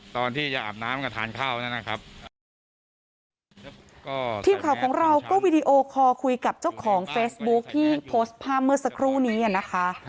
ทีมข่าวของเราก็วิดีโอคอล์คุยกับเจ้าของเฟสบุ๊คที่โพสต์พาร์มเมอร์สักครู่นี้นะคะ